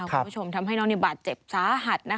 คุณผู้ชมทำให้น้องบาดเจ็บสาหัส